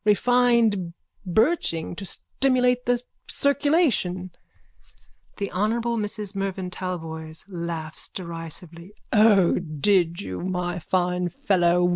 Refined birching to stimulate the circulation. THE HONOURABLE MRS MERVYN TALBOYS: (Laughs derisively.) O, did you, my fine fellow?